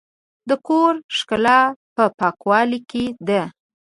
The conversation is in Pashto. د کور ښکلا په پاکوالي کې ده.